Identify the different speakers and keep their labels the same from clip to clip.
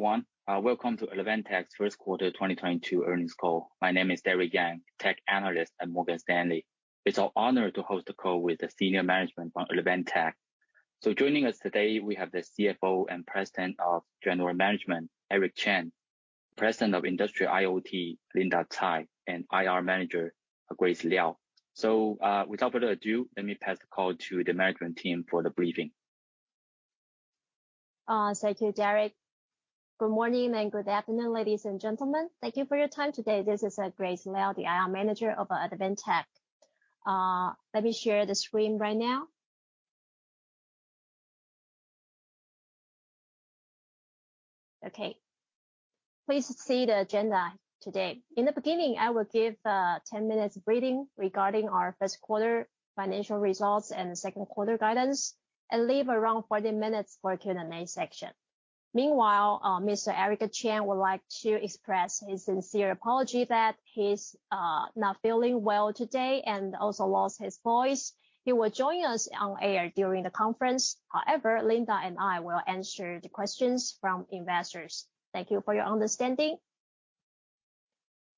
Speaker 1: Welcome to Advantech's first quarter 2022 earnings call. My name is Derrick Yang, Tech Analyst at Morgan Stanley. It's our honor to host the call with the senior management from Advantech. Joining us today, we have the CFO and President of General Management, Eric Chen; President of Industrial IoT, Linda Tsai; and IR Manager, Grace Liao. Without further ado, let me pass the call to the management team for the briefing.
Speaker 2: Thank you, Derrick Yang. Good morning and good afternoon, ladies and gentlemen. Thank you for your time today. This is Grace Liao, the IR Manager of Advantech. Let me share the screen right now. Please see the agenda today. In the beginning, I will give 10 minutes briefing regarding our first quarter financial results and second quarter guidance, and leave around 40 minutes for Q&A section. Meanwhile, Mr. Eric Chen would like to express his sincere apology that he's not feeling well today and also lost his voice. He will join us on air during the conference. However, Linda and I will answer the questions from investors. Thank you for your understanding.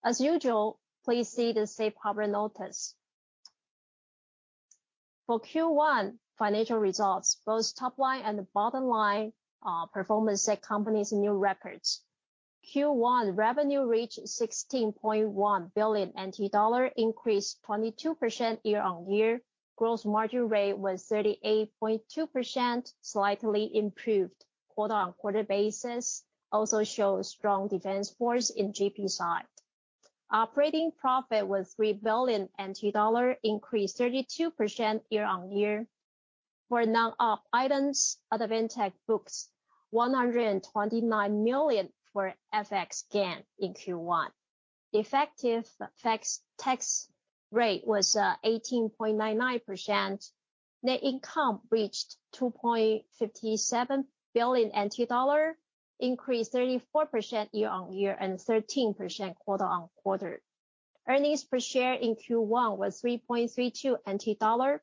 Speaker 2: As usual, please see the safe harbor notice. For Q1 financial results, both top line and bottom line performance set company's new records. Q1 revenue reached 16.1 billion NT dollar, increased 22% year-over-year. Gross margin rate was 38.2%, slightly improved quarter-over-quarter basis, also shows strong defense force in GP side. Operating profit was TWD 3 billion, increased 32% year-over-year. For non-op items, Advantech books 129 million for FX gain in Q1. Effective tax rate was 18.99%. Net income reached 2.57 billion, increased 34% year-over-year and 13% quarter-over-quarter. Earnings per share in Q1 was 3.32 NT dollar.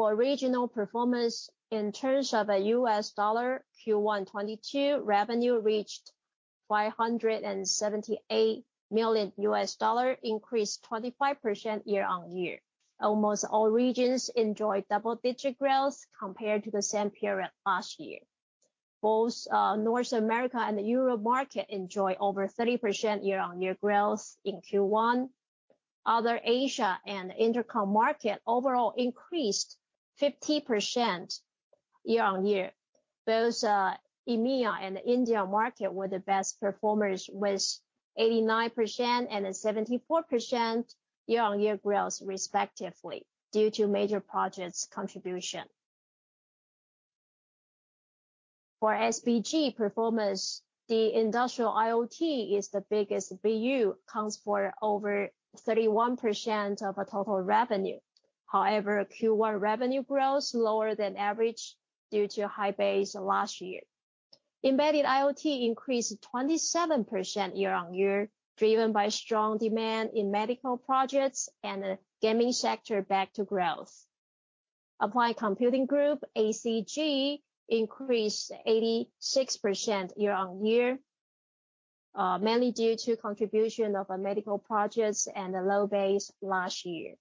Speaker 2: For regional performance in terms of a US dollar, Q1 2022 revenue reached $578 million, increased 25% year-over-year. Almost all regions enjoyed double-digit growth compared to the same period last year. Both North America and the Europe market enjoy over 30% year-on-year growth in Q1. Other Asia and Intercontinental market overall increased 50% year-on-year. Both EMEA and the India market were the best performers with 89% and a 74% year-on-year growth respectively due to major projects contribution. For SBG performance, the Industrial IoT is the biggest BU, accounts for over 31% of our total revenue. However, Q1 revenue growth lower than average due to high base last year. Embedded IoT increased 27% year-on-year, driven by strong demand in medical projects and the gaming sector back to growth. Applied Computing Group, ACG, increased 86% year-on-year, mainly due to contribution of our medical projects and a low base last year.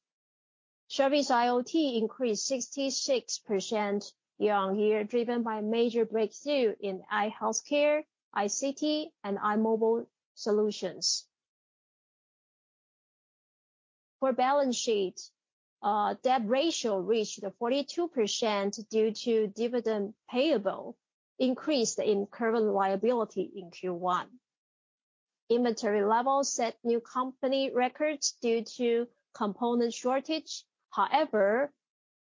Speaker 2: Service-IoT increased 66% year-over-year, driven by major breakthrough in iHealthcare, ICT, and iMobile solutions. For balance sheet, debt ratio reached 42% due to dividend payable, increase in current liability in Q1. Inventory levels set new company records due to component shortage. However,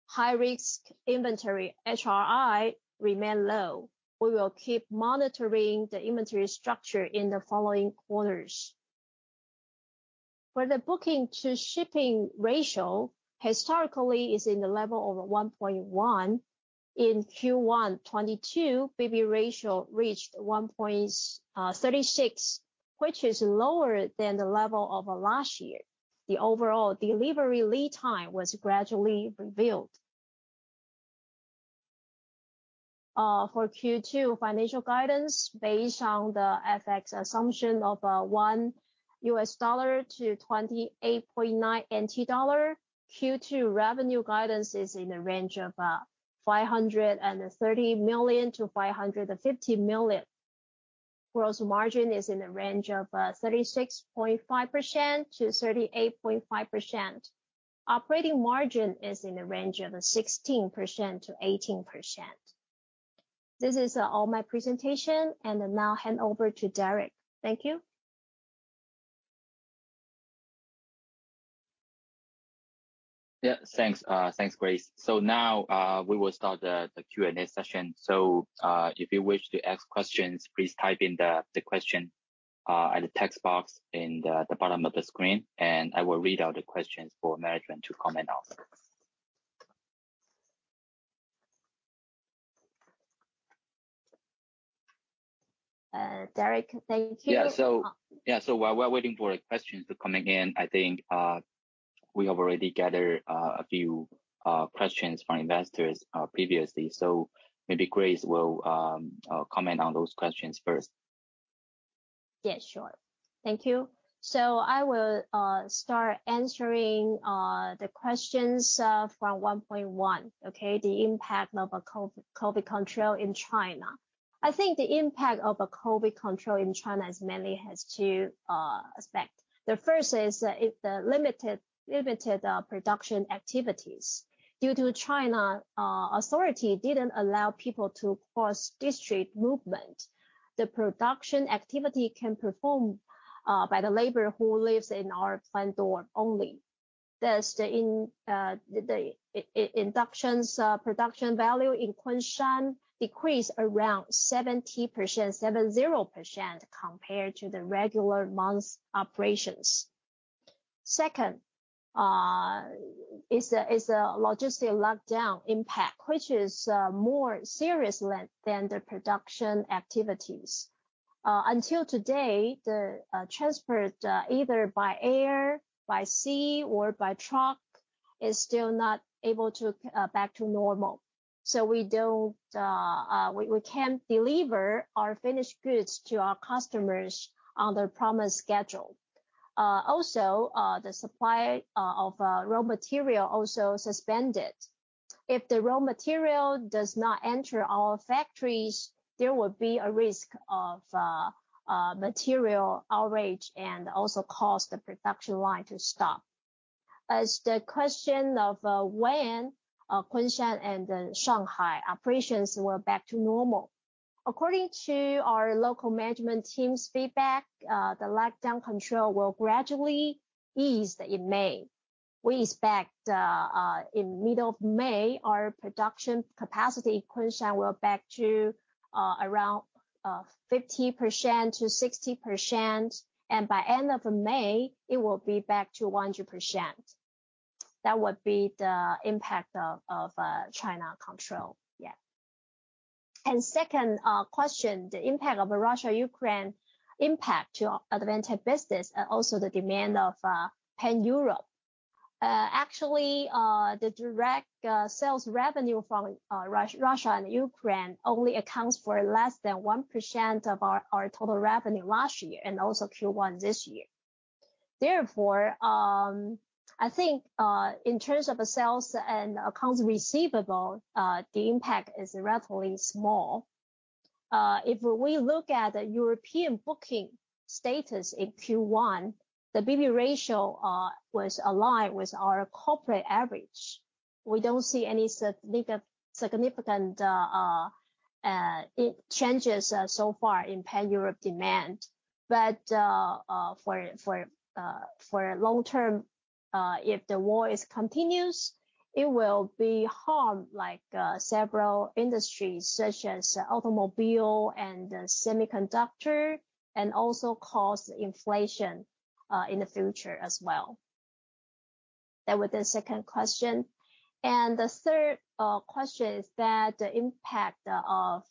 Speaker 2: high-risk inventory, HRI, remain low. We will keep monitoring the inventory structure in the following quarters. For the booking to shipping ratio, historically is in the level of 1.1. In Q1 2022, BB ratio reached 1.36, which is lower than the level of last year. The overall delivery lead time was gradually reduced. For Q2 financial guidance, based on the FX assumption of $1 to 28.9 NT dollar, Q2 revenue guidance is in the range of 530 million-550 million. Gross margin is in the range of 36.5%-38.5%. Operating margin is in the range of 16%-18%. This is all my presentation, and now hand over to Derrick. Thank you.
Speaker 1: Yeah, thanks. Thanks, Grace. Now, we will start the Q&A session. If you wish to ask questions, please type in the question at the text box in the bottom of the screen, and I will read out the questions for management to comment on.
Speaker 2: Derrick, thank you.
Speaker 1: Yeah, so while we're waiting for questions to come again, I think we have already gathered a few questions from investors previously. Maybe Grace will comment on those questions first.
Speaker 2: Yeah, sure. Thank you. I will start answering the questions from 1.1, okay? The impact of a COVID control in China. I think the impact of a COVID control in China mainly has two aspects. The first is the limited production activities. Due to China authority didn't allow people to cross district movement, the production activity can perform by the labor who lives in our plant door only. Thus the industrial production value in Kunshan decreased around 70%, compared to the regular month's operations. Second is a logistics lockdown impact, which is more serious than the production activities. Until today, the transport either by air, by sea, or by truck is still not able to back to normal. We can't deliver our finished goods to our customers on the promised schedule. Also, the supply of raw material also suspended. If the raw material does not enter our factories, there will be a risk of material shortage and also cause the production line to stop. As to the question of when Kunshan and Shanghai operations were back to normal. According to our local management team's feedback, the lockdown control will gradually ease in May. We expect in middle of May, our production capacity in Kunshan will back to around 50%-60%, and by end of May, it will be back to 100%. That would be the impact of China control. Second question, the impact of Russia-Ukraine impact to Advantech business and also the demand of pan-Europe. Actually, the direct sales revenue from Russia and Ukraine only accounts for less than 1% of our total revenue last year, and also Q1 this year. Therefore, I think, in terms of sales and accounts receivable, the impact is relatively small. If we look at the European booking status in Q1, the BB ratio was aligned with our corporate average. We don't see any significant changes so far in pan-Europe demand. For long term, if the war continues, it will harm, like, several industries such as automobile and semiconductor, and also cause inflation in the future as well. That was the second question. The third question is that the impact of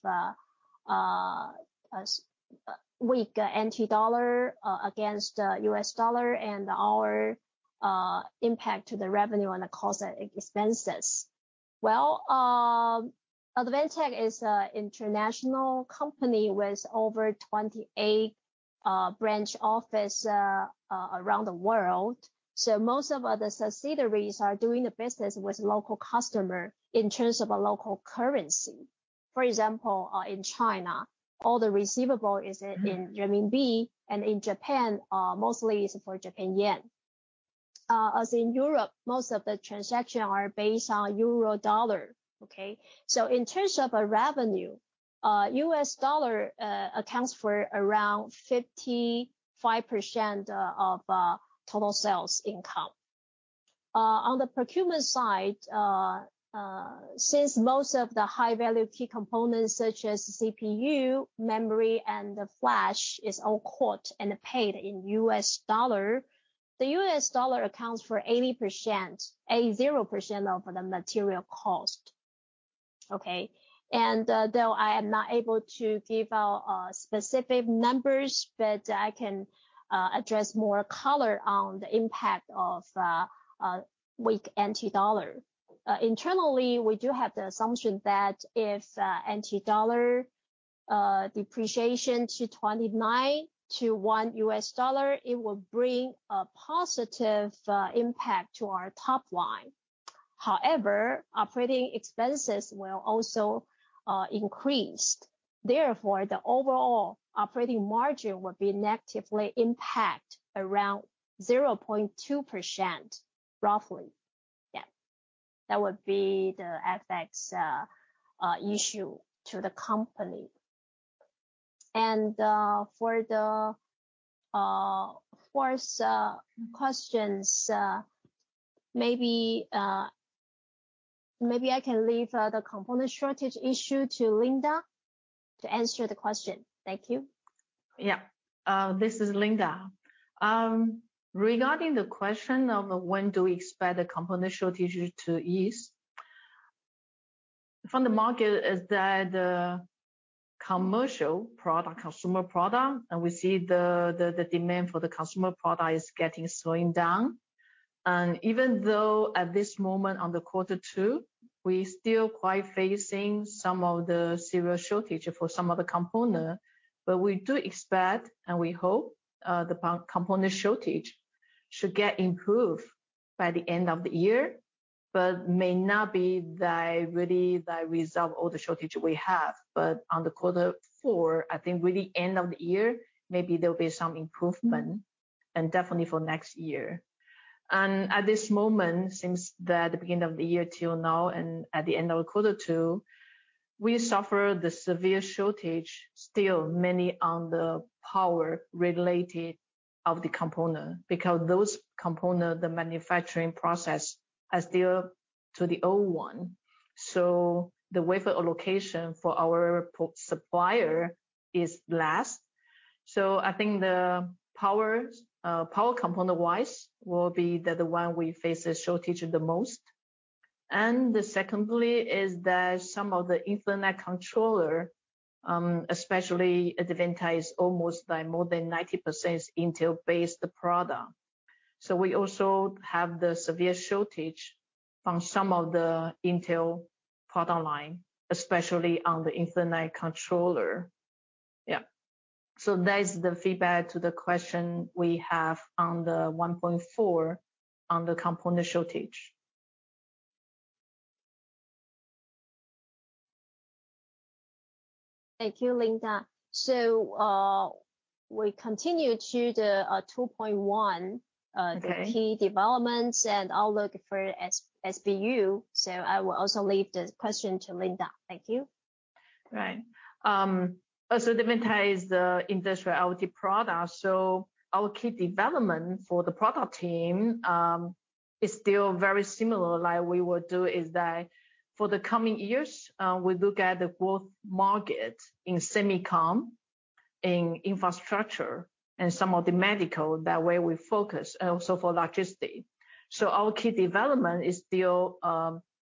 Speaker 2: weak NT dollar against US dollar and our impact to the revenue and the cost expenses. Well, Advantech is an international company with over 28 branch office around the world, so most of the subsidiaries are doing the business with local customer in terms of a local currency. For example, in China, all the receivable is in renminbi, and in Japan, mostly it's for Japanese Yen. As in Europe, most of the transaction are based on Euro dollar. Okay? In terms of revenue, US dollar accounts for around 55% of total sales income. On the procurement side, since most of the high-value key components such as CPU, memory, and the flash is all bought and paid in US dollar, the US dollar accounts for 80% of the material cost. Okay? Though I am not able to give out specific numbers, but I can add more color on the impact of weak NT dollar. Internally, we do have the assumption that if NT dollar depreciation to 29 to $1, it will bring a positive impact to our top line. However, operating expenses will also increase. Therefore, the overall operating margin will be negatively impact around 0.2%, roughly. Yeah. That would be the FX issue to the company. For the fourth questions, maybe I can leave the component shortage issue to Linda to answer the question. Thank you.
Speaker 3: This is Linda. Regarding the question of when do we expect the component shortage to ease? From the market is that commercial product, consumer product, and we see the demand for the consumer product is slowing down. Even though at this moment on quarter two, we still quite facing some of the serious shortage for some of the component. We do expect, and we hope, the component shortage should get improved by the end of the year, but may not really resolve all the shortage we have. On quarter four, I think with the end of the year, maybe there'll be some improvement, and definitely for next year. At this moment, since the beginning of the year till now and at the end of quarter two, we suffer the severe shortage still mainly on the power related of the component because those component, the manufacturing process are still to the old one. The wafer allocation for our primary supplier is last. I think the power component-wise will be the one we face a shortage the most. Secondly, some of the Ethernet controller, especially Advantech is almost by more than 90% Intel-based product. We also have the severe shortage on some of the Intel product line, especially on the Ethernet controller. That is the feedback to the question we have on the 1.4 on the component shortage.
Speaker 2: Thank you, Linda. We continue to the 2.1.
Speaker 3: Okay
Speaker 2: The key developments and outlook for SBU. I will also leave the question to Linda. Thank you.
Speaker 3: Right. Advantech is the Industrial IoT product, our key development for the product team is still very similar like we would do is that for the coming years, we look at the growth market in semicon, in infrastructure, and some of the medical, that way we focus, also for logistics. Our key development is still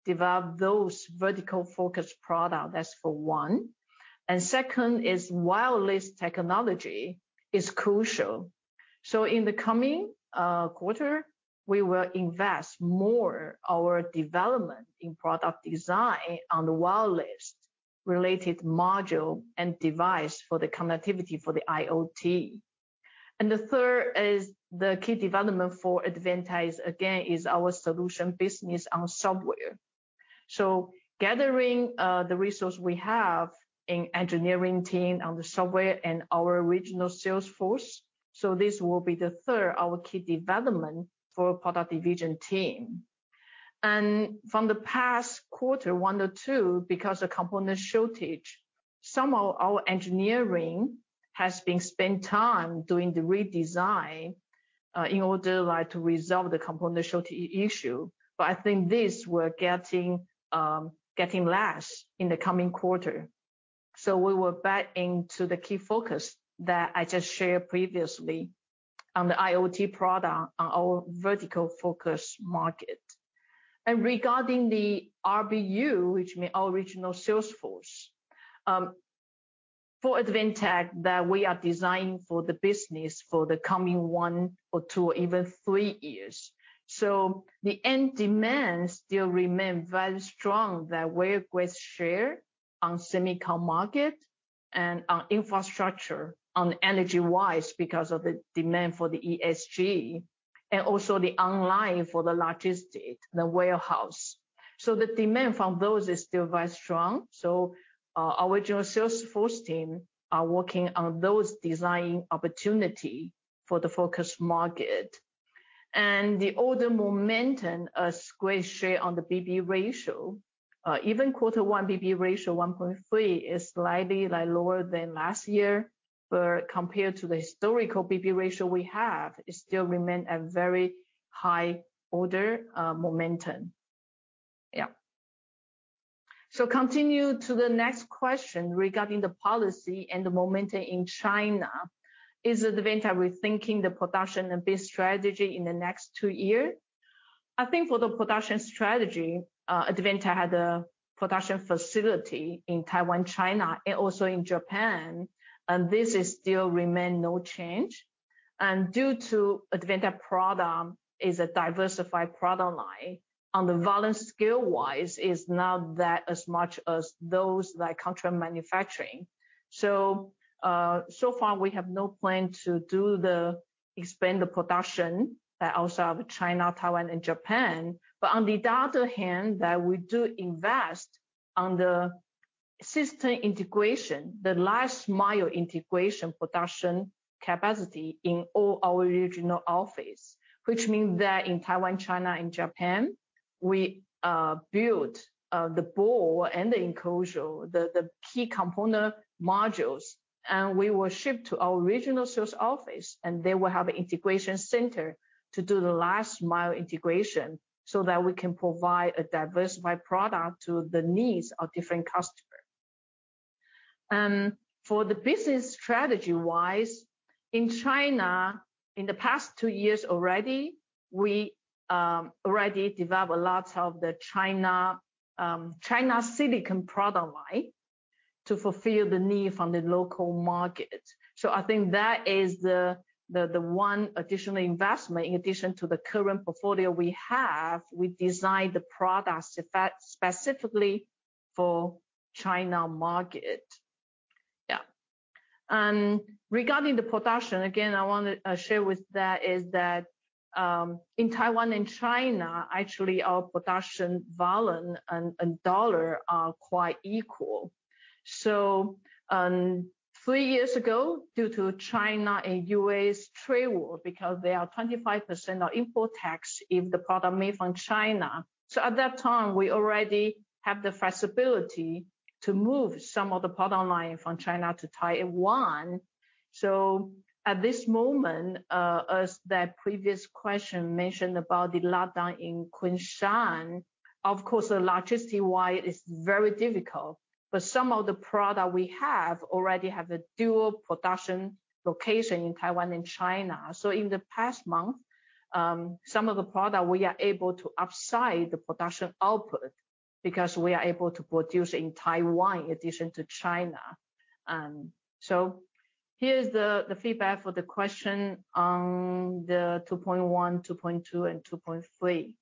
Speaker 3: develop those vertical-focused product. That's for one. Second is wireless technology is crucial. In the coming quarter, we will invest more our development in product design on the wireless related module and device for the connectivity for the IoT. The third is the key development for Advantech, again, is our solution business on software. Gathering the resource we have in engineering team on the software and our regional sales force, so this will be the third our key development for product division team. From the past quarter, one to two, because of component shortage, some of our engineering has been spent time doing the redesign, in order like to resolve the component shortage issue. I think this we're getting less in the coming quarter. We will back into the key focus that I just shared previously on the IoT product on our vertical focus market. Regarding the RBU, which mean our regional sales force, for Advantech, that we are designing for the business for the coming one or two, even three years. The end demand still remain very strong that we're with share on semicon market and on infrastructure, on energy-wise because of the demand for the ESG, and also the online for the logistics, the warehouse. The demand from those is still very strong, so our regional sales force team are working on those design opportunity for the focus market. The order momentum is quite strong on the BB ratio, even quarter one BB ratio 1.3 is slightly lower than last year. Compared to the historical BB ratio we have, it still remain at very high order momentum. Yeah. Continue to the next question regarding the policy and the momentum in China. Is Advantech rethinking the production and base strategy in the next two year? I think for the production strategy, Advantech had a production facility in Taiwan, China, and also in Japan, and this is still remain no change. Due to Advantech product is a diversified product line on the volume scale-wise is not that as much as those like contract manufacturing. We have no plan to do the expand the production outside of China, Taiwan and Japan. On the other hand, that we do invest on the system integration, the last mile integration production capacity in all our regional office. Which means that in Taiwan, China, and Japan, we build the board and the enclosure, the key component modules, and we will ship to our regional sales office, and they will have an integration center to do the last mile integration so that we can provide a diversified product to the needs of different customers. For the business strategy-wise, in China, in the past two years already, we already developed a lot of the China silicon product line to fulfill the need from the local market. So I think that is the one additional investment in addition to the current portfolio we have. We designed the products effectively specifically for China market. Yeah. Regarding the production, again, I want to share that in Taiwan and China, actually our production volume and dollar are quite equal. Three years ago, due to China and U.S. trade war, because there are 25% of import tax if the product made from China. At that time, we already have the flexibility to move some of the product line from China to Taiwan. At this moment, as the previous question mentioned about the lockdown in Kunshan, of course, the logistics-wise is very difficult. Some of the product we already have a dual production location in Taiwan and China. In the past month, some of the product we are able to upsize the production output because we are able to produce in Taiwan in addition to China. Here's the feedback for the question on the 2.1, 2.2, and 2.3.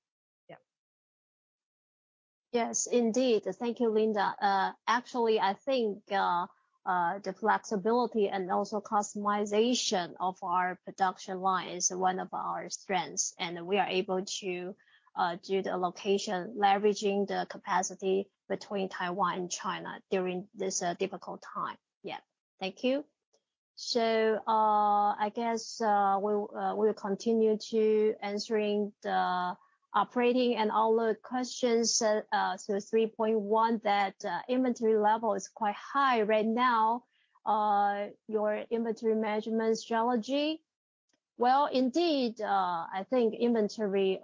Speaker 2: Yes, indeed. Thank you, Linda. Actually, I think the flexibility and also customization of our production line is one of our strengths, and we are able to do the allocation, leveraging the capacity between Taiwan and China during this difficult time. Yeah. Thank you. I guess we'll continue to answering the operating and outlook questions. So 3.1, that inventory level is quite high right now. Your inventory management strategy. Well, indeed, I think inventory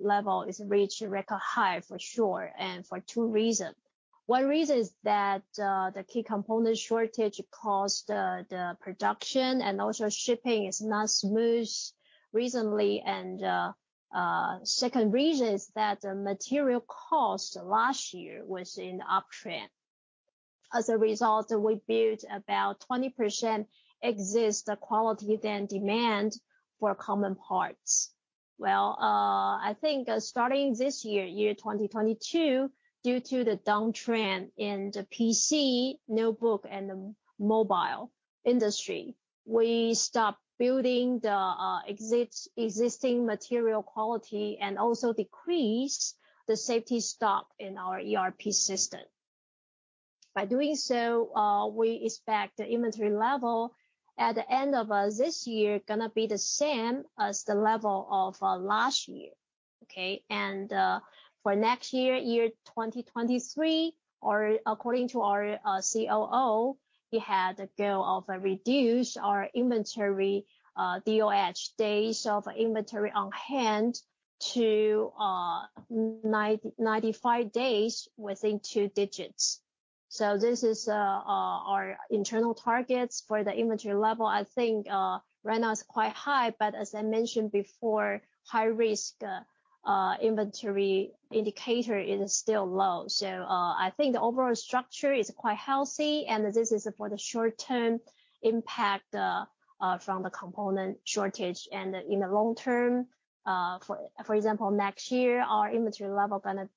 Speaker 2: level is reached record high for sure, and for two reasons. One reason is that the key component shortage caused the production and also shipping is not smooth recently. Second reason is that the material cost last year was in uptrend. As a result, we built about 20% excess quantity than demand for common parts. I think starting this year, 2022, due to the downtrend in the PC, notebook, and the mobile industry, we stopped building the existing material quantity and also decreased the safety stock in our ERP system. By doing so, we expect the inventory level at the end of this year gonna be the same as the level of last year. For next year, 2023, according to our COO, we had a goal to reduce our inventory DOH, days of inventory on hand, to ninety-five days within two digits. This is our internal targets for the inventory level. I think right now it's quite high, but as I mentioned before, high risk inventory indicator is still low. I think the overall structure is quite healthy and this is for the short term impact from the component shortage. In the long term, for example, next year, our inventory level gonna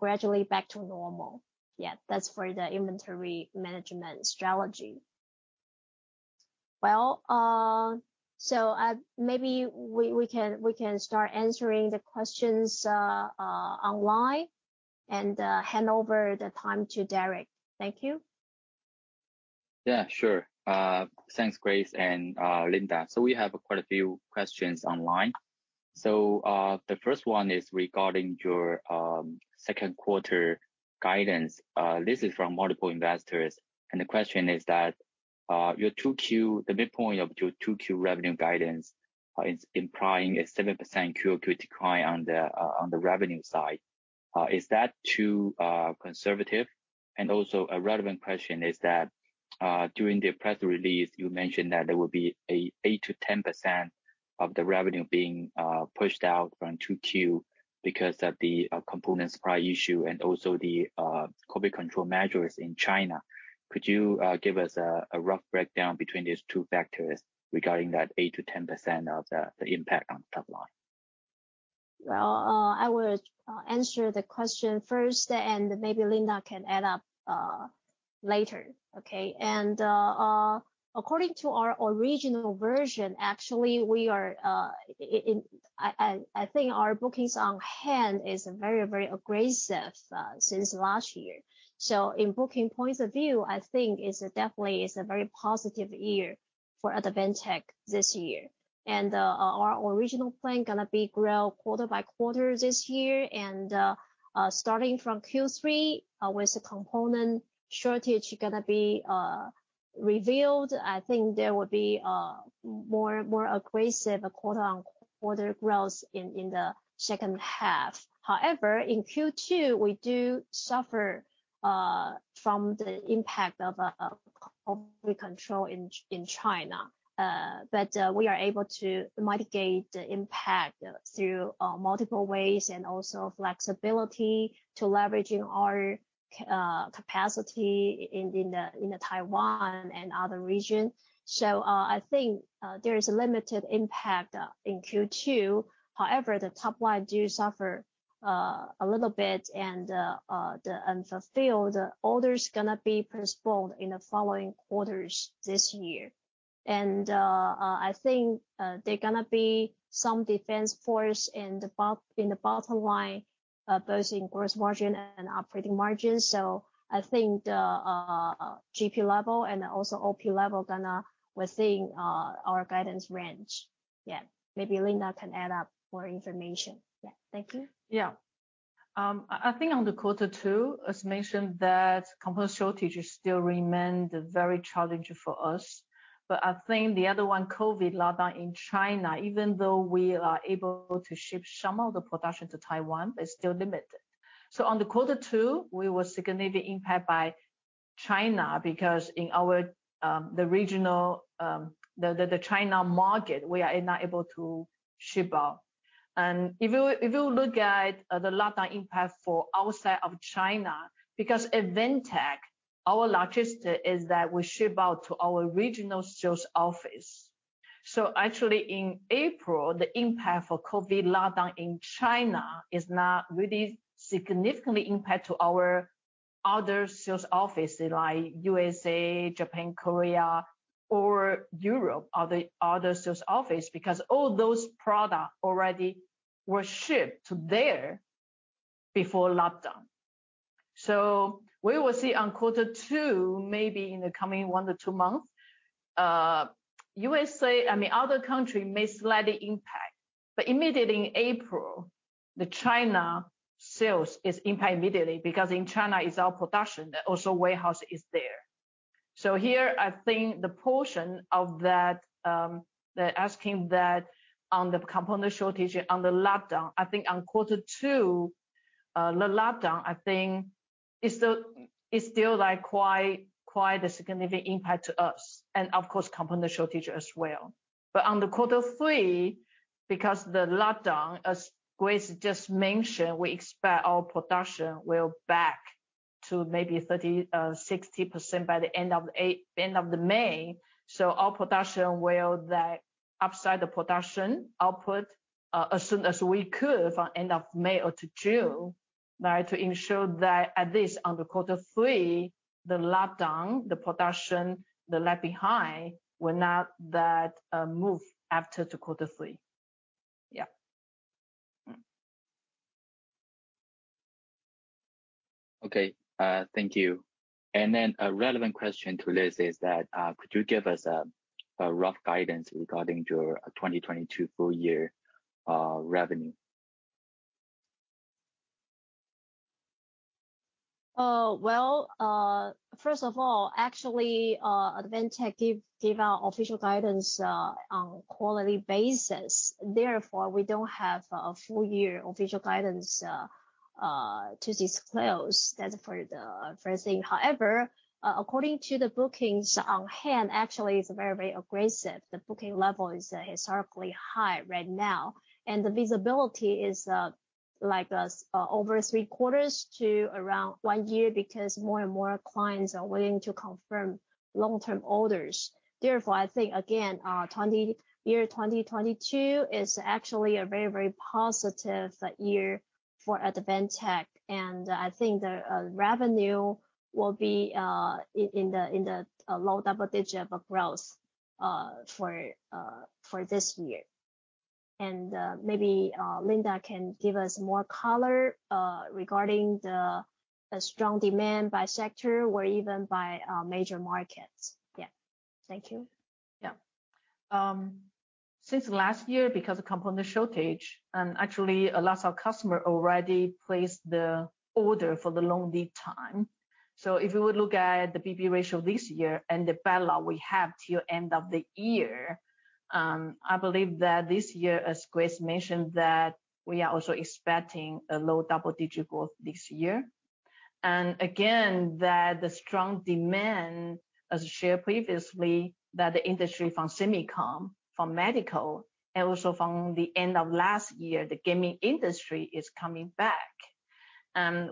Speaker 2: gradually back to normal. Yeah, that's for the inventory management strategy. Well, maybe we can start answering the questions online and hand over the time to Derrick. Thank you.
Speaker 1: Yeah, sure. Thanks, Grace and Linda. We have quite a few questions online. The first one is regarding your second quarter guidance. This is from multiple investors. The question is that your 2Q, the midpoint of your 2Q revenue guidance, is implying a 7% QoQ decline on the revenue side. Is that too conservative? Also a relevant question is that during the press release, you mentioned that there will be a 8%-10% of the revenue being pushed out from 2Q because of the component supply issue and also the COVID control measures in China. Could you give us a rough breakdown between these two factors regarding that 8%-10% of the impact on the top line?
Speaker 2: Well, I will answer the question first, and maybe Linda can add up later. Okay. According to our original version, actually, I think our bookings on hand is very aggressive since last year. In booking points of view, I think is definitely a very positive year for Advantech this year. Our original plan gonna be grow quarter by quarter this year. Starting from Q3, with the component shortage gonna be revealed, I think there will be more aggressive, quote-unquote, order growth in the second half. However, in Q2, we do suffer from the impact of COVID control in China. We are able to mitigate the impact through multiple ways and also flexibility to leveraging our capacity in the Taiwan and other region. I think there is a limited impact in Q2. However, the top line do suffer a little bit and the unfulfilled orders gonna be postponed in the following quarters this year. I think there gonna be some downward force in the bottom line both in gross margin and operating margin. I think the GP level and also OP level gonna within our guidance range. Yeah. Maybe Linda can add more information. Yeah. Thank you.
Speaker 3: Yeah. I think on the quarter two, as mentioned, that component shortage is still remain the very challenging for us. I think the other one, COVID lockdown in China, even though we are able to ship some of the production to Taiwan, is still limited. On the quarter two, we were significantly impact by China because in our regional China market, we are not able to ship out. If you look at the lockdown impact for outside of China, because Advantech our logistics is that we ship out to our regional sales office. Actually in April, the impact for COVID lockdown in China is not really significantly impact to our other sales office like the USA, Japan, Korea, or Europe, other sales office because all those product already were shipped to there before lockdown. We will see on quarter two, maybe in the coming 1-2 months, the USA, I mean, other country may slightly impact. Immediately in April, the China sales is impact immediately because in China is our production, also warehouse is there. Here, I think the portion of that, the aspect of the component shortage and the lockdown, I think on quarter two, the lockdown, I think is still like quite a significant impact to us and of course, component shortage as well. On the quarter three, because the lockdown, as Grace just mentioned, we expect our production will be back to maybe 30%-60% by the end of May. Our production will then upsize the production output, as soon as we could from end of May or to June, right? To ensure that at least on the quarter three, the lockdown, the production, the lag behind will not that, move after to quarter three. Yeah.
Speaker 1: Okay, thank you. A relevant question to this is that, could you give us a rough guidance regarding your 2022 full year revenue?
Speaker 2: Well, first of all, actually, Advantech gives our official guidance on quarterly basis. Therefore, we don't have a full year official guidance to disclose. That's the first thing. However, according to the bookings on hand, actually it's very aggressive. The booking level is historically high right now. The visibility is like over three quarters to around one year because more and more clients are willing to confirm long-term orders. Therefore, I think again, 2022 is actually a very positive year for Advantech. I think the revenue will be in the low double digit of growth for this year. Maybe Linda can give us more color regarding the strong demand by sector or even by major markets. Thank you.
Speaker 3: Yeah. Since last year, because of component shortage, and actually a lot of customer already placed the order for the long lead time. If you would look at the BB ratio this year and the backlog we have till end of the year, I believe that this year, as Grace mentioned, that we are also expecting a low double-digit growth this year. Again, that the strong demand, as shared previously, that the industry from SEMICON, from medical, and also from the end of last year, the gaming industry is coming back.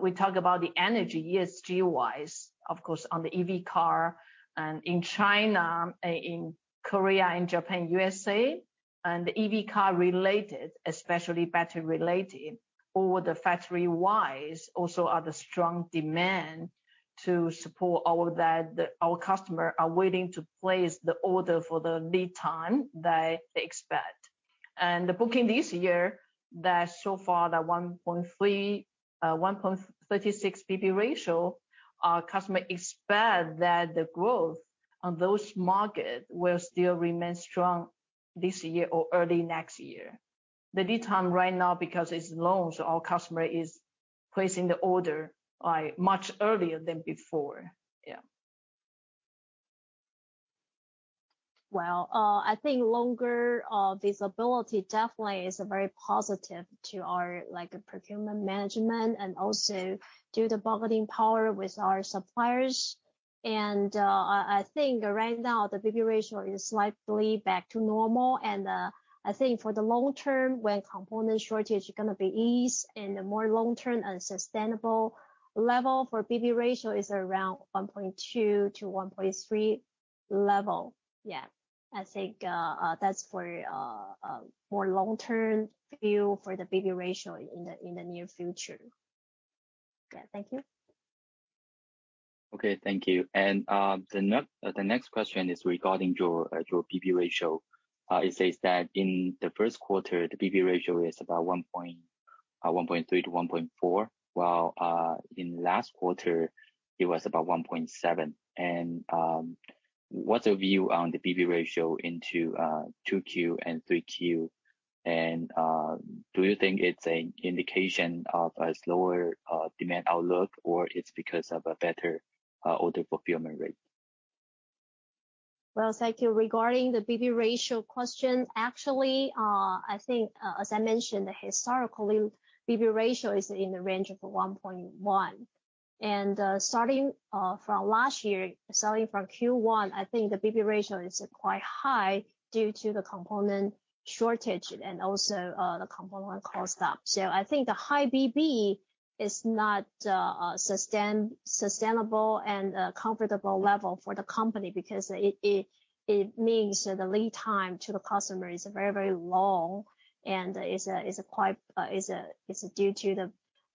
Speaker 3: We talk about the energy, ESG wise, of course, on the EV car and in China, in Korea and Japan, the USA, and the EV car related, especially battery related, or the factory wise also are the strong demand to support all of that. Our customer are waiting to place the order for the lead time that they expect. The booking this year, that so far the 1.3, 1.36 BB ratio, our customer expect that the growth on those market will still remain strong this year or early next year. The lead time right now because it's long, so our customer is placing the order, much earlier than before. Yeah.
Speaker 2: Well, I think longer visibility definitely is a very positive to our, like, procurement management and also due to bargaining power with our suppliers. I think right now the BB ratio is slightly back to normal. I think for the long term, when component shortage is gonna be ease and more long-term and sustainable level for BB ratio is around 1.2-1.3 level. Yeah. I think that's for more long-term view for the BB ratio in the near future. Yeah. Thank you.
Speaker 1: Okay, thank you. The next question is regarding your BB ratio. It says that in the first quarter, the BB ratio is about 1.3-1.4, while in last quarter it was about 1.7. What's your view on the BB ratio into 2Q and 3Q? Do you think it's an indication of a slower demand outlook, or it's because of a better order fulfillment rate?
Speaker 2: Well, thank you. Regarding the BB ratio question, actually, I think, as I mentioned, historically, BB ratio is in the range of 1.1. Starting from last year, starting from Q1, I think the BB ratio is quite high due to the component shortage and also the component cost up. I think the high BB is not sustainable and comfortable level for the company because it means that the lead time to the customer is very, very long and is due to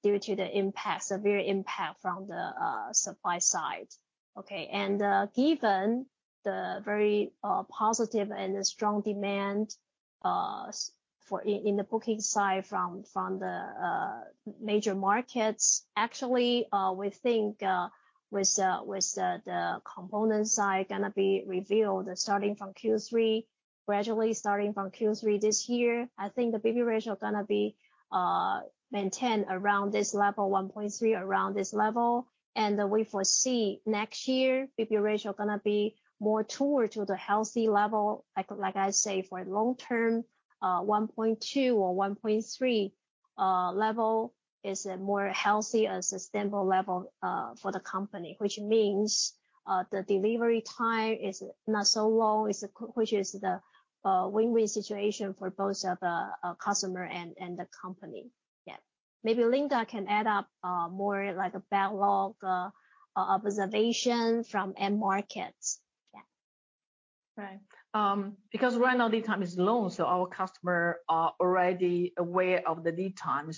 Speaker 2: the severe impact from the supply side. Okay. Given the very positive and the strong demand for the booking side from the major markets, actually, we think with the component side gonna be revealed starting from Q3, gradually starting from Q3 this year, I think the BB ratio gonna be maintained around this level, 1.3, around this level. We foresee next year, BB ratio gonna be more toward to the healthy level. Like I say, for long term, 1.2 or 1.3 level is a more healthy and sustainable level for the company, which means the delivery time is not so long, which is the win-win situation for both the customer and the company. Yeah. Maybe Linda can add up, more like a backlog, observation from end markets. Yeah.
Speaker 3: Right. Because right now lead time is long, so our customers are already aware of the lead time.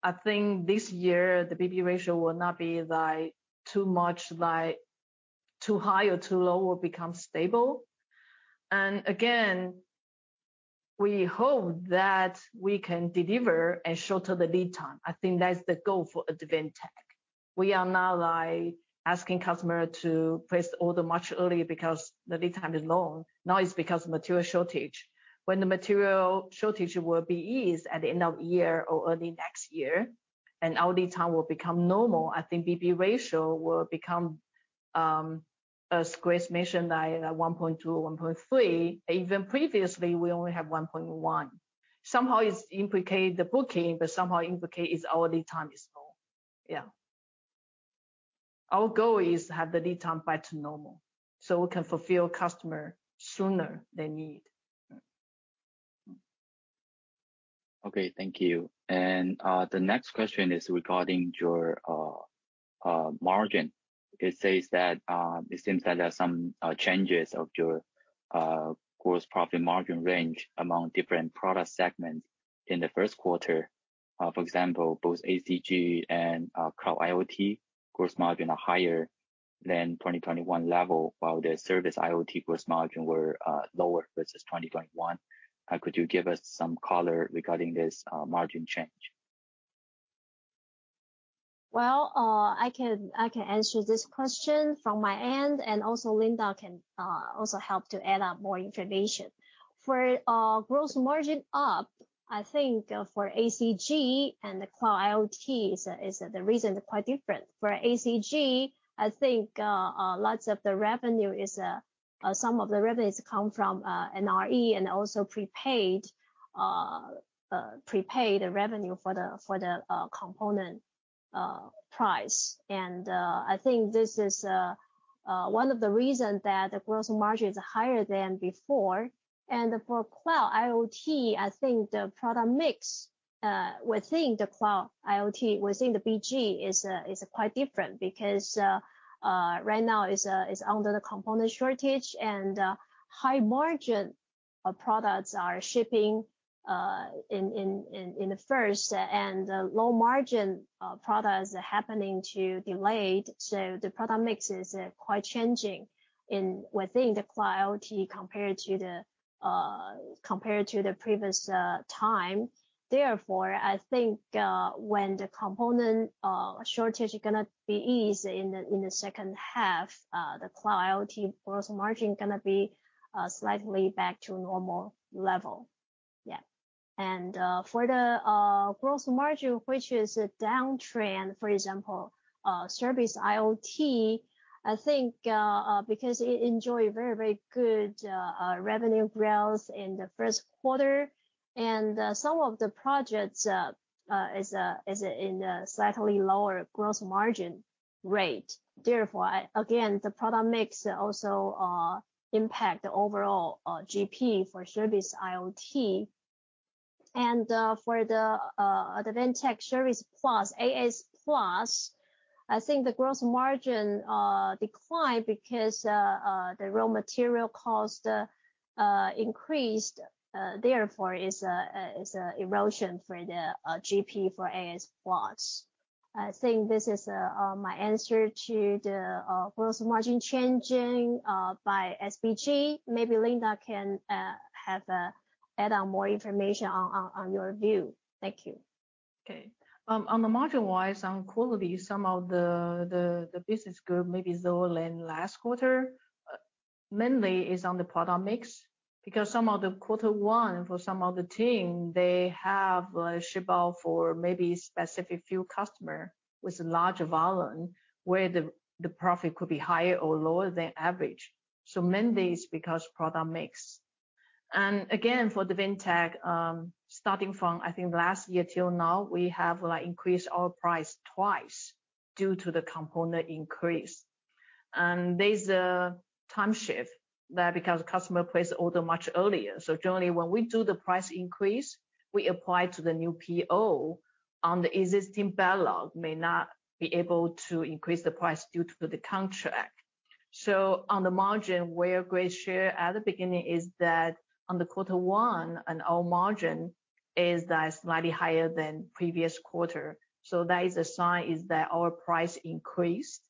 Speaker 3: I think this year the BB ratio will not be like too much, like too high or too low, will become stable. Again, we hope that we can deliver and shorten the lead time. I think that's the goal for Advantech. We are now like asking customers to place the order much earlier because the lead time is long. Now it's because material shortage. When the material shortage will be eased at the end of year or early next year, and our lead time will become normal, I think BB ratio will become, as Grace mentioned, like 1.2, 1.3. Even previously, we only have 1.1. Somehow it impacts the booking, but somehow impact is our lead time is long. Our goal is to have the lead time back to normal, so we can fulfill customers sooner than needed.
Speaker 1: Okay. Thank you. The next question is regarding your margin. It says that it seems that there are some changes of your gross profit margin range among different product segments in the first quarter. For example, both ACG and Cloud-IoT Group gross margin are higher than 2021 level, while the Service-IoT gross margin were lower versus 2021. Could you give us some color regarding this margin change?
Speaker 2: Well, I can answer this question from my end, and also Linda can also help to add up more information. For gross margin up, I think, for ACG and the Cloud-IoT is the reason quite different. For ACG, I think, some of the revenues come from NRE and also prepaid revenue for the component price. I think this is one of the reason that the gross margin is higher than before. For Cloud-IoT, I think the product mix within the Cloud-IoT within the BG is quite different because right now is under the component shortage and high margin products are shipping in the first, and low margin products are delayed. The product mix is quite changing within the Cloud-IoT compared to the previous time. Therefore, I think when the component shortage gonna ease in the second half, the Cloud-IoT gross margin gonna be slightly back to normal level. Yeah. For the gross margin, which is a downtrend, for example, Service-IoT, I think because it enjoy very, very good revenue growth in the first quarter and some of the projects is in a slightly lower gross margin rate. Therefore, again, the product mix also impact the overall GP for Service-IoT. For the Advantech Service Plus, AS+, I think the gross margin declined because the raw material cost increased, therefore is a erosion for the GP for AS+. I think this is my answer to the gross margin changing by SBG. Maybe Linda can have a add on more information on your view. Thank you.
Speaker 3: Okay. On the margin wise, on quality, some of the business group may be lower than last quarter. Mainly is on the product mix, because some of the quarter one for some of the team, they have ship out for maybe specific few customer with larger volume, where the profit could be higher or lower than average. Mainly it's because product mix. Again, for the Advantech, starting from I think last year till now, we have, like, increased our price twice due to the component increase. There's a time shift there because customer place order much earlier. Generally, when we do the price increase, we apply to the new PO. On the existing backlog may not be able to increase the price due to the contract. On the margin, where Grace shared at the beginning is that in quarter one our margin is slightly higher than previous quarter. That is a sign that our price increase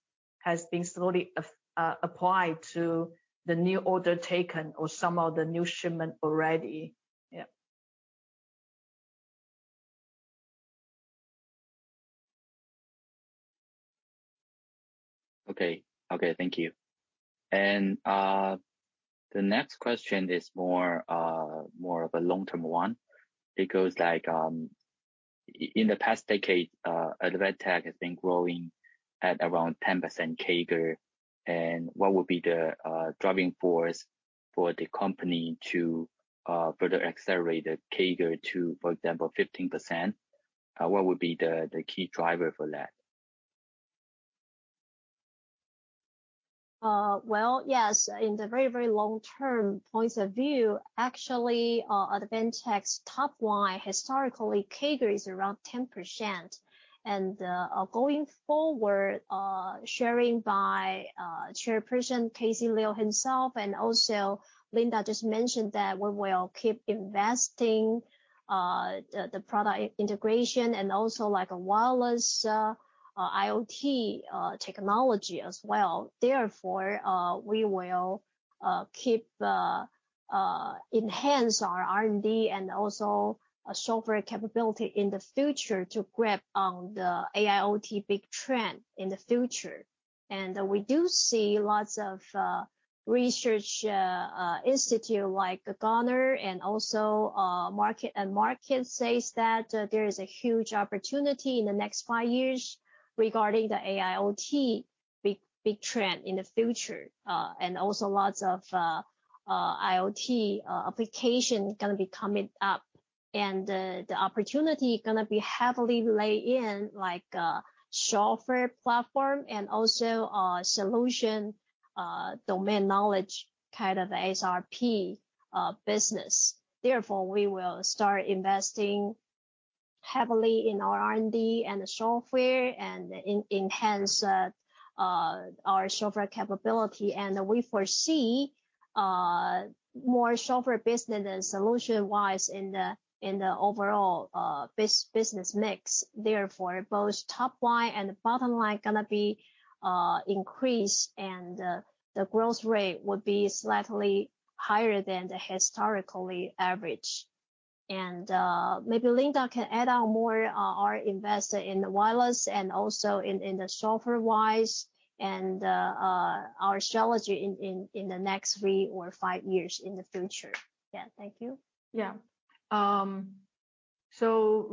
Speaker 3: has been slowly applied to the new order taken or some of the new shipment already. Yeah.
Speaker 1: Okay. Okay, thank you. The next question is more of a long-term one. It goes like, in the past decade, Advantech has been growing at around 10% CAGR, and what would be the driving force for the company to further accelerate the CAGR to, for example, 15%? What would be the key driver for that?
Speaker 2: Well, yes, in the very long-term points of view, actually, Advantech's top line, historically, CAGR is around 10%. Going forward, sharing by Chairperson KC Liu himself and also Linda Tsai just mentioned that we will keep investing, the product integration and also like a wireless IoT technology as well. Therefore, we will keep enhance our R&D and also software capability in the future to grab on the AIoT big trend in the future. We do see lots of research institute like Gartner and also MarketsandMarkets says that there is a huge opportunity in the next five years regarding the AIoT big trend in the future, and also lots of IoT application gonna be coming up. The opportunity gonna be heavily lying in, like, software platform and also solution domain knowledge, kind of SRP business. Therefore, we will start investing heavily in our R&D and the software and enhance our software capability. We foresee more software business solution-wise in the overall business mix. Therefore, both top line and bottom line gonna be increased, and the growth rate would be slightly higher than the historical average. Maybe Linda can add more on our investment in the wireless and also in the software-wise and our strategy in the next three or five years in the future. Yeah. Thank you.
Speaker 3: Yeah,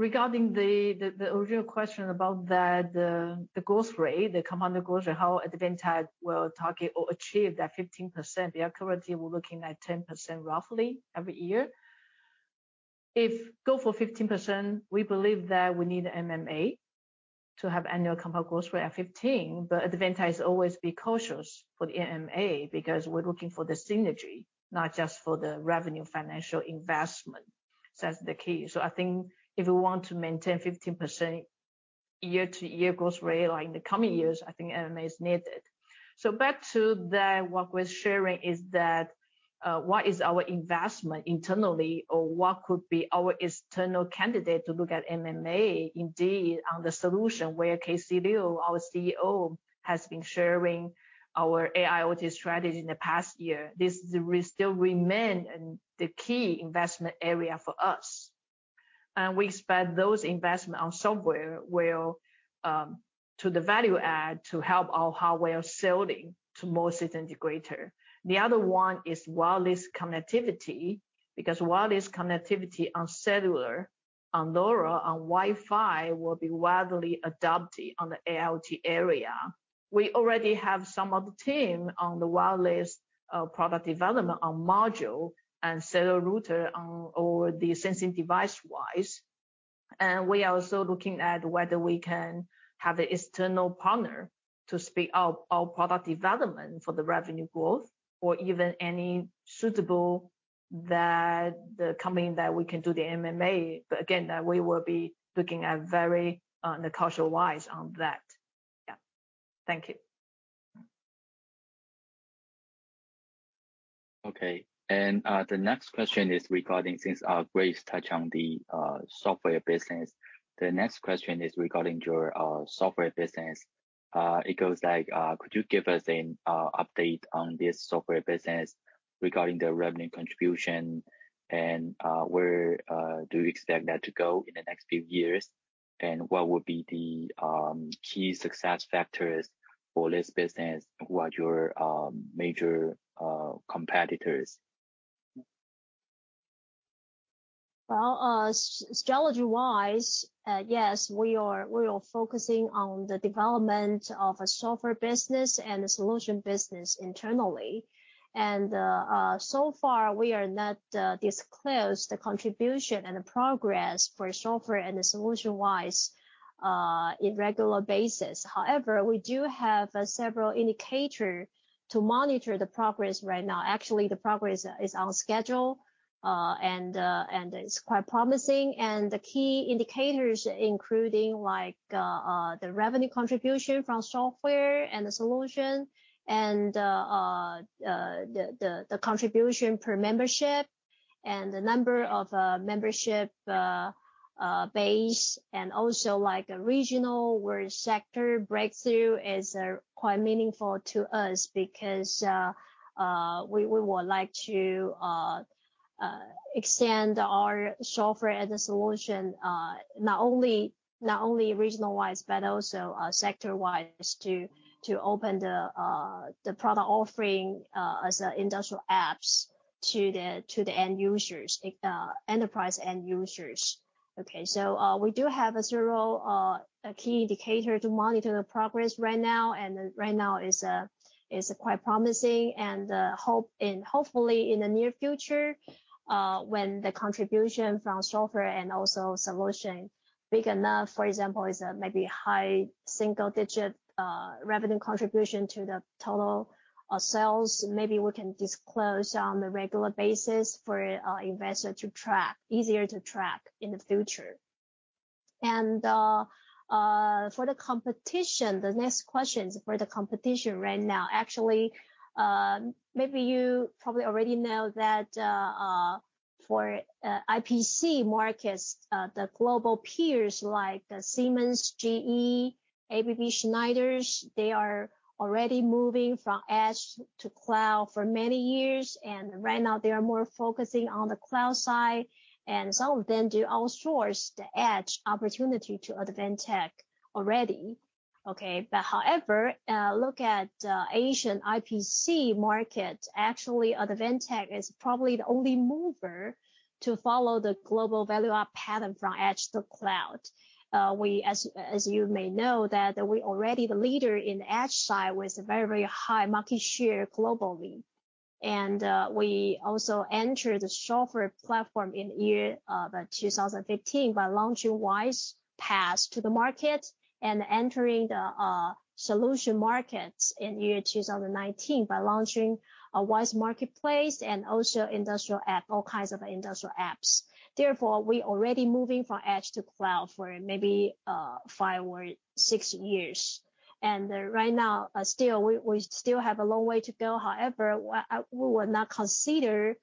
Speaker 3: regarding the original question about the growth rate, the compound growth rate, how Advantech will target or achieve that 15%, we are currently, we're looking at 10% roughly every year. If go for 15%, we believe that we need M&A to have annual compound growth rate at 15%, but Advantech has always be cautious for the M&A because we're looking for the synergy, not just for the revenue financial investment. That's the key. I think if we want to maintain 15% year-to-year growth rate, like, in the coming years, I think M&A is needed. Back to what we're sharing is that what is our investment internally or what could be our external candidate to look at M&A indeed on the solution where KC Liu, our CEO, has been sharing our AIoT strategy in the past year. This still remains the key investment area for us. We expect those investments on software will add value to help our hardware selling to most system integrators. The other one is wireless connectivity, because wireless connectivity on Cellular, on LoRa, on Wi-Fi will be widely adopted on the IoT area. We already have some of the team on the wireless product development on module and Cellular router on all the sensing device wise. We are also looking at whether we can have an external partner to speed up our product development for the revenue growth or even any suitable target, the company that we can do the M&A. We will be looking at that very cautiously. Yeah. Thank you.
Speaker 1: Okay. The next question is regarding, since Grace touched on the software business, the next question is regarding your software business. It goes like, could you give us an update on this software business regarding the revenue contribution, and where do you expect that to go in the next few years? What would be the key success factors for this business? What are your major competitors?
Speaker 2: Strategy wise, yes, we are focusing on the development of a software business and a solution business internally. So far we are not disclose the contribution and the progress for software and the solution wise in regular basis. However, we do have several indicator to monitor the progress right now. Actually, the progress is on schedule, and it's quite promising. The key indicators including like the revenue contribution from software and the solution and the contribution per membership and the number of membership base and also like a regional or sector breakthrough is quite meaningful to us because we would like to extend our software as a solution, not only regional wise, but also sector wise to open the product offering as an industrial apps to the end users, enterprise end users. Okay, we do have several key indicators to monitor the progress right now, and right now is quite promising. Hopefully in the near future, when the contribution from software and also solution big enough, for example, maybe high single digit revenue contribution to the total sales, maybe we can disclose on a regular basis for investor to track, easier to track in the future. For the competition, the next question is for the competition right now. Actually, maybe you probably already know that for IPC markets, the global peers like Siemens, GE, ABB, Schneider, they are already moving from edge to cloud for many years, and right now they are more focusing on the cloud side, and some of them do outsource the edge opportunity to Advantech already. Okay. However, look at Asian IPC market. Actually, Advantech is probably the only mover to follow the global value add pattern from edge to cloud. As you may know that we already the leader in edge side with very high market share globally. We also enter the software platform in year 2015 by launching WISE-PaaS to the market and entering the solution market in year 2019 by launching a WISE-Marketplace and also industrial app, all kinds of industrial apps. Therefore, we already moving from edge to cloud for maybe five or six years. Right now, still, we still have a long way to go. However, we would not consider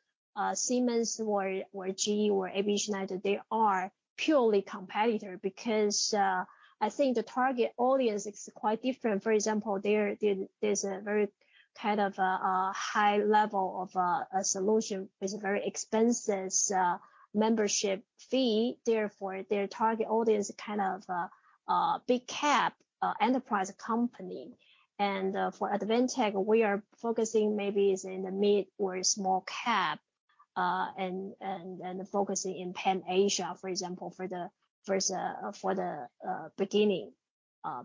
Speaker 2: Siemens or GE or ABB, Schneider, they are purely competitor because I think the target audience is quite different. For example, there's a very kind of high level of a solution with very expensive membership fee. Therefore, their target audience is kind of big cap enterprise company. For Advantech, we are focusing maybe is in the mid or small cap and focusing in Pan-Asia, for example, for the beginning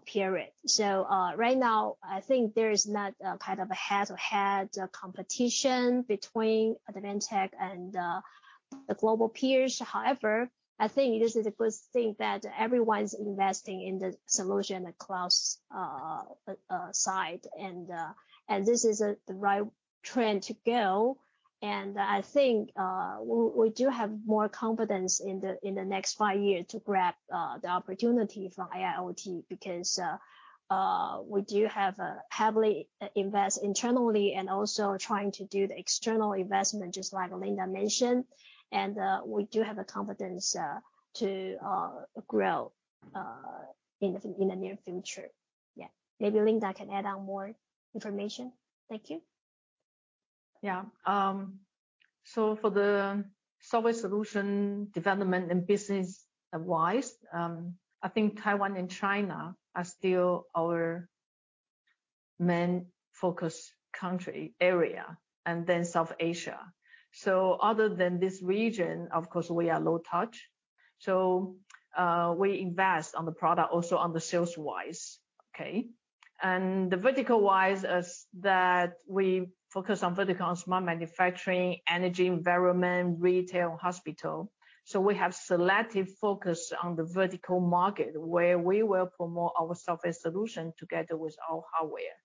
Speaker 2: period. Right now, I think there is not kind of a head-to-head competition between Advantech and the global peers. However, I think this is a good thing that everyone's investing in the solution and cloud side. This is the right trend to go. I think we do have more confidence in the next five years to grab the opportunity for IIoT because we do have heavily invest internally and also trying to do the external investment, just like Linda mentioned. We do have the confidence to grow in the near future. Yeah. Maybe Linda can add on more information. Thank you.
Speaker 3: Yeah. For the software solution development and business-wise, I think Taiwan and China are still our main focus country area, and then Southeast Asia. Other than this region, of course, we are low touch, so, we invest on the product also on the sales-wise. Okay? The vertical-wise is that we focus on vertical, smart manufacturing, energy, environment, retail, hospital. We have selective focus on the vertical market, where we will promote our software solution together with our hardware.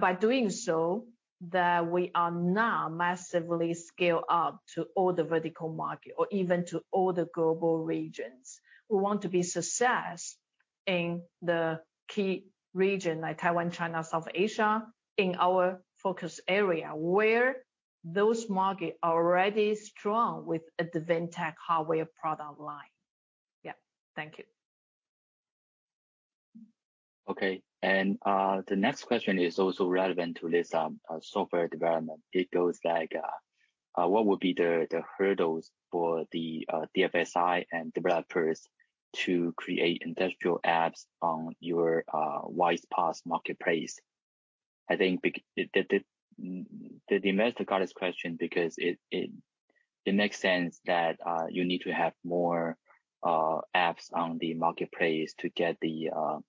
Speaker 3: By doing so, that we are not massively scale up to all the vertical market or even to all the global regions. We want to be successful in the key region, like Taiwan, China, Southeast Asia, in our focus area, where those markets are already strong with Advantech hardware product line. Yeah. Thank you.
Speaker 1: Okay. The next question is also relevant to this software development. It goes like, what would be the hurdles for the DFSI and developers to create industrial apps on your WISE-PaaS marketplace? I think the demonstrator got this question because it makes sense that you need to have more apps on the marketplace to get the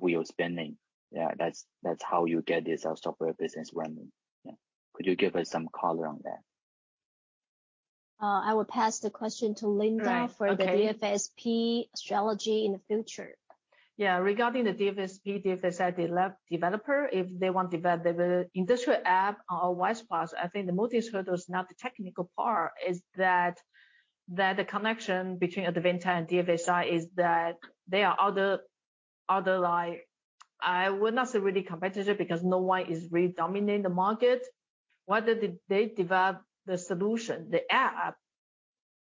Speaker 1: wheel spinning. Yeah, that's how you get this software business running. Yeah. Could you give us some color on that?
Speaker 2: I will pass the question to Linda.
Speaker 3: Right. Okay.
Speaker 2: For the DFSI strategy in the future.
Speaker 3: Yeah. Regarding the DFSI developer, if they want develop the industrial app on our WISE-PaaS, I think the most hurdle is not the technical part, it's that the connection between Advantech and DFSI is that there are other like I would not say really competitor because no one is really dominating the market. Whether they develop the solution, the app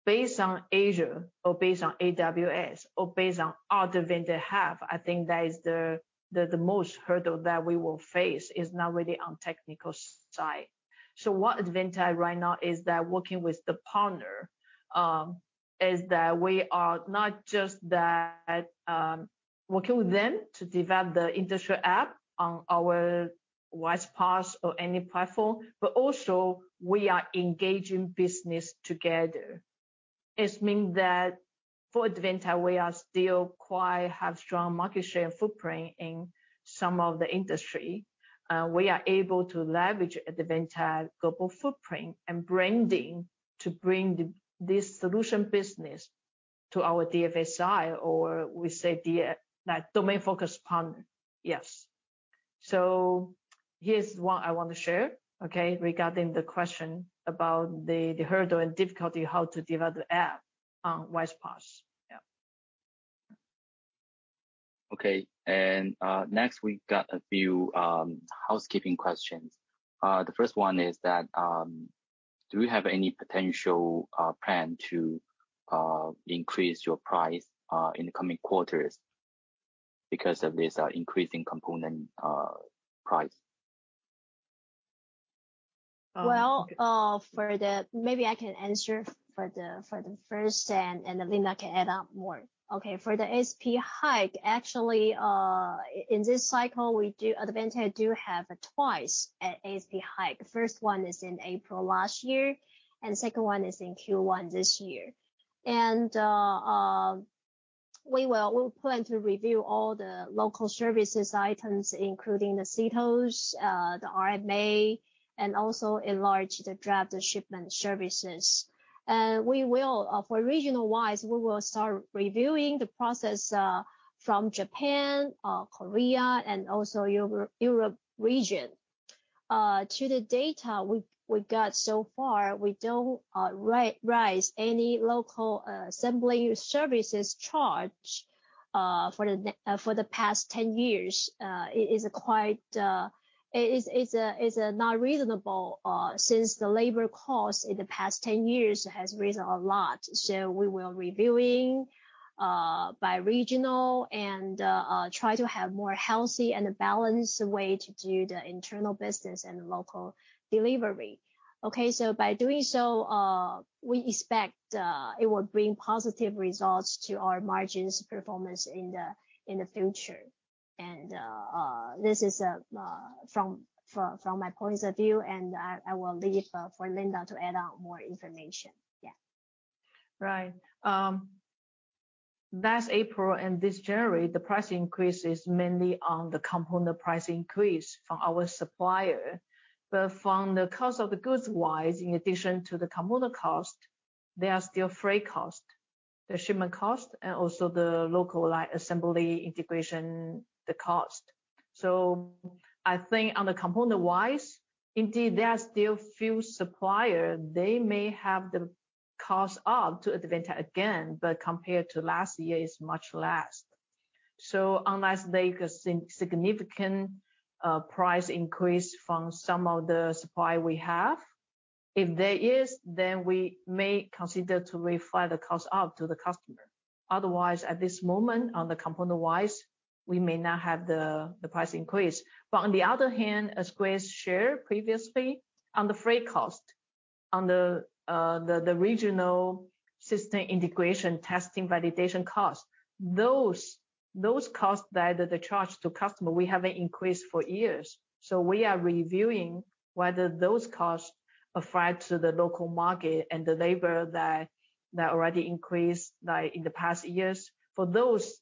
Speaker 3: based on Azure or based on AWS or based on other vendor have, I think that is the most hurdle that we will face, is not really on technical side. What Advantech right now is they're working with the partner is that we are not just that working with them to develop the industrial app on our WISE-PaaS or any platform, but also we are engaging business together. It means that for Advantech, we are still quite have strong market share footprint in some of the industry. We are able to leverage Advantech global footprint and branding to bring this solution business to our DFSI or we say like domain-focused partner. Yes. Here's what I want to share, okay, regarding the question about the hurdle and difficulty how to develop the app on WISE-PaaS. Yeah.
Speaker 1: Okay. Next, we got a few housekeeping questions. The first one is that, do you have any potential plan to increase your price in the coming quarters because of this increasing component price?
Speaker 2: Well-
Speaker 3: Um-
Speaker 2: Maybe I can answer for the first and then Linda can add on more. Okay, for the ASP hike, actually, in this cycle, Advantech do have twice an ASP hike. First one is in April last year, and second one is in Q1 this year. We plan to review all the local services items, including the CTOS, the RMA, and also the after-shipment services. For regional wise, we will start reviewing the process from Japan, Korea, and also Europe region. According to the data we got so far, we don't raise any local assembly services charge for the past ten years. It is quite not reasonable since the labor cost in the past 10 years has risen a lot. We were reviewing by regional and try to have more healthy and a balanced way to do the internal business and local delivery. Okay, by doing so, we expect it will bring positive results to our margins performance in the future. This is from my points of view, and I will leave for Linda to add on more information. Yeah.
Speaker 3: Right. Last April and this January, the price increase is mainly on the component price increase from our supplier. From the cost of the goods wise, in addition to the component cost, there are still freight cost, the shipment cost, and also the local, like, assembly integration, the cost. I think on the component wise, indeed, there are still few supplier, they may have the cost up to Advantech again, but compared to last year, it's much less. Unless they can see significant price increase from some of the supply we have, if there is, then we may consider to refer the cost out to the customer. Otherwise, at this moment, on the component-wise, we may not have the price increase. On the other hand, as Grace shared previously, on the freight cost, on the regional system integration testing validation cost, those costs that we charge to customer, we haven't increased for years. We are reviewing whether those costs apply to the local market and the labor that already increased, like, in the past years. For those,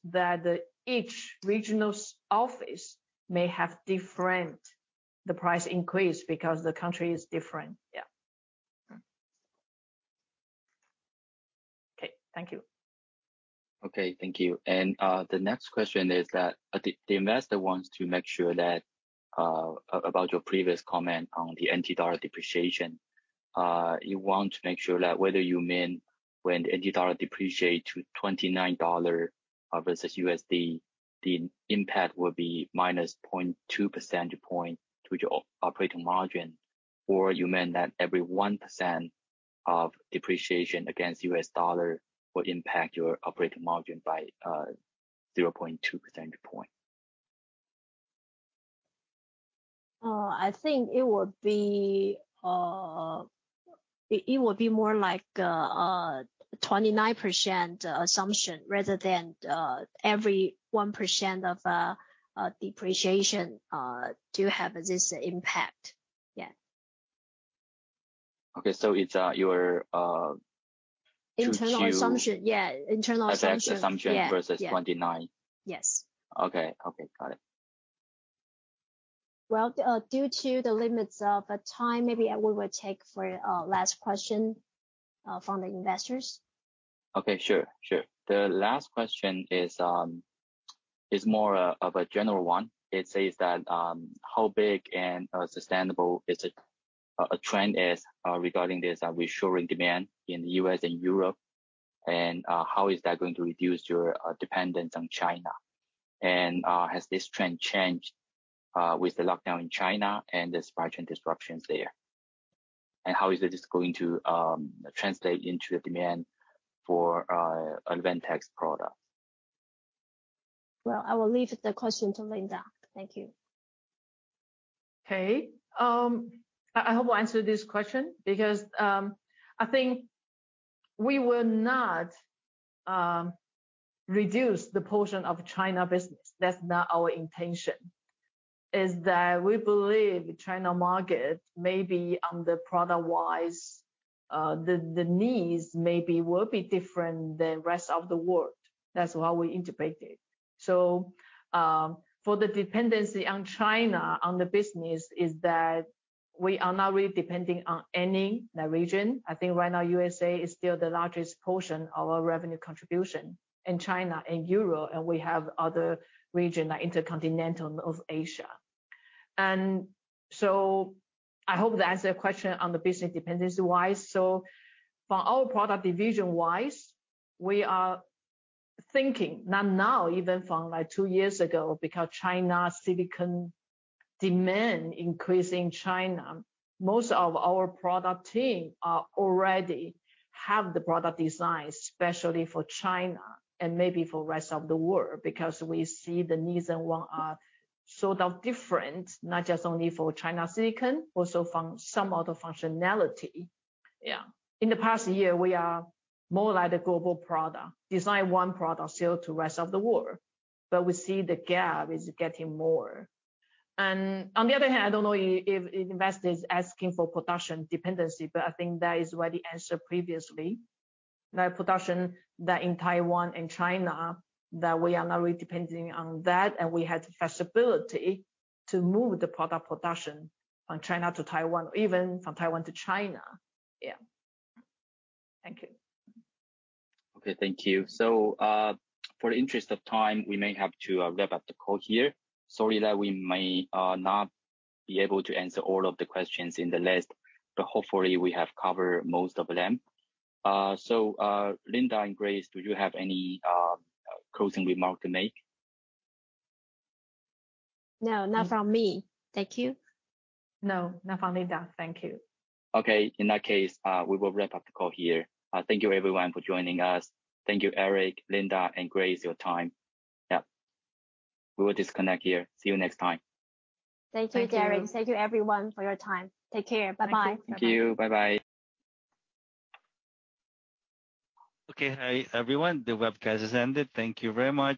Speaker 3: each regional office may have different price increases because the country is different. Yeah. Okay. Thank you.
Speaker 1: Okay, thank you. The next question is that the investor wants to make sure that about your previous comment on the NTD depreciation. He wants to make sure that whether you mean when NTD depreciates to 29 dollars versus USD, the impact will be -0.2 percentage points to your operating margin, or you meant that every 1% of depreciation against US dollar will impact your operating margin by 0.2 percentage points.
Speaker 2: I think it would be more like a 29% assumption rather than every 1% of depreciation to have this impact. Yeah.
Speaker 1: Okay. It's year 2022.
Speaker 2: Internal assumption. Yeah, internal assumption.
Speaker 1: Effect assumption-
Speaker 2: Yeah.
Speaker 1: versus 29.
Speaker 2: Yes.
Speaker 1: Okay, okay. Got it.
Speaker 2: Well, due to the limits of time, maybe we will take the last question from the investors.
Speaker 1: Okay, sure. The last question is more of a general one. It says that how big and sustainable is a trend regarding this reshoring demand in the U.S. and Europe, and how is that going to reduce your dependence on China? Has this trend changed with the lockdown in China and the supply chain disruptions there? How is this going to translate into the demand for Advantech's products?
Speaker 2: Well, I will leave the question to Linda. Thank you.
Speaker 3: Okay. I hope I answer this question because I think we will not reduce the portion of China business. That's not our intention. It's that we believe China market may be on the product-wise, the needs maybe will be different than rest of the world. That's why we integrate it. For the dependency on China on the business is that we are not really depending on any region. I think right now the USA is still the largest portion of our revenue contribution, and China and Europe, and we have other region like Intercontinental and Asia. I hope that answer your question on the business dependency-wise. For our product division-wise, we are thinking, not now, even from, like, two years ago, because China silicon demand increase in China, most of our product team are already have the product design, especially for China and maybe for rest of the world, because we see the needs and want are sort of different, not just only for China silicon, also some other functionality. Yeah. In the past year, we are more like a global product. Design one product, sell to rest of the world. We see the gap is getting more. On the other hand, I don't know if investor is asking for production dependency, but I think that is why the answer previously. The production that's in Taiwan and China that we are not really depending on that, and we have the flexibility to move the product production from China to Taiwan, or even from Taiwan to China. Yeah. Thank you.
Speaker 1: Okay, thank you. In the interest of time, we may have to wrap up the call here. Sorry that we may not be able to answer all of the questions in the list, but hopefully we have covered most of them. Linda and Grace, do you have any closing remark to make?
Speaker 2: No, not from me. Thank you.
Speaker 3: No, not from Linda. Thank you.
Speaker 1: Okay. In that case, we will wrap up the call here. Thank you everyone for joining us. Thank you Eric, Linda, and Grace, your time. Yeah. We will disconnect here. See you next time.
Speaker 2: Thank you.
Speaker 3: Thank you.
Speaker 2: Thank you everyone for your time. Take care. Bye bye.
Speaker 3: Thank you.
Speaker 1: Thank you. Bye bye. Okay. Hi, everyone. The webcast has ended. Thank you very much.